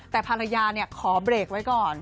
แต่ภรรยาขอเบรกไว้ก่อน